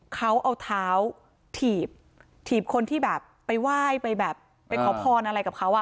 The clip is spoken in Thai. เขาเอาเท้าถีบถีบคนที่แบบไปไหว้ไปแบบไปขอพรอะไรกับเขาอ่ะ